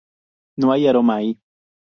No hay aroma ahí.